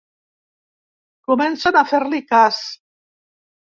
Comencen a fer-li cas.